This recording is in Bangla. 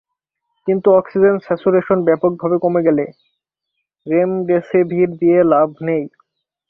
কিন্তু অক্সিজেন স্যাচুরেশন ব্যাপকভাবে কমে গেলে রেমডেসেভির দিয়ে লাভ নেই।